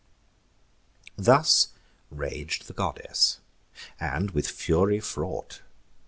Thus rag'd the goddess; and, with fury fraught.